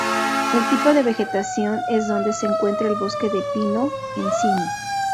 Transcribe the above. El tipo de vegetación en donde se encuentra es el Bosque de Pino-Encino.